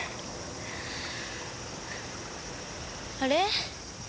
あれ？